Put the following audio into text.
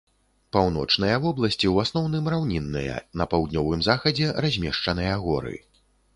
Паўночныя вобласці ў асноўным раўнінныя, на паўднёвым захадзе размешчаныя горы.